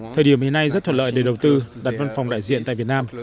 thời điểm hiện nay rất thuận lợi để đầu tư đặt văn phòng đại diện tại việt nam